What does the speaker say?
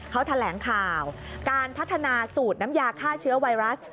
เขาแถลงข่าวการพัฒนาสูตรน้ำยาฆ่าเชื้อไวรัส